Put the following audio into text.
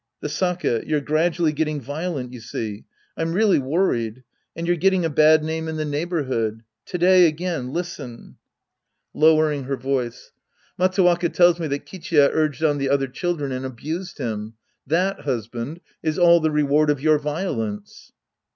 The sake. You're gradually getting violent, you see. I'm really worried. And you're getting a bad name in the iieighborhood. To day again, listen. {Lowering her 22 The Priest and His Disciples Act I voice.) Matsuwaka tells me that Kichiya urged on the other cliildren and abused him. That, husband, is all the reward of your violence.